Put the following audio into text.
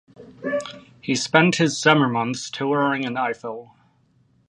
He spent his summer months touring in Eifel.